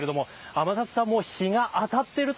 天達さん日が当たっている所